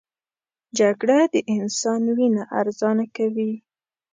جګړه د انسان وینه ارزانه کوي